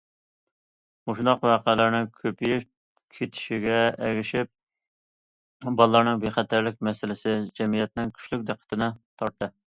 مۇشۇنداق ۋەقەلەرنىڭ كۆپىيىپ كېتىشىگە ئەگىشىپ بالىلارنىڭ بىخەتەرلىك مەسىلىسى جەمئىيەتنىڭ كۈچلۈك دىققىتىنى تارتتى.